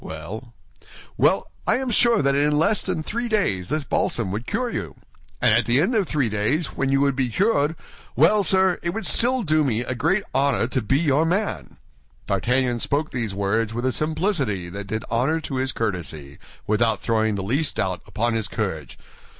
"Well?" "Well, I am sure that in less than three days this balsam would cure you; and at the end of three days, when you would be cured—well, sir, it would still do me a great honor to be your man." D'Artagnan spoke these words with a simplicity that did honor to his courtesy, without throwing the least doubt upon his courage.